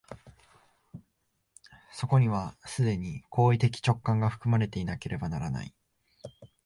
そこには既に行為的直観が含まれていなければならない。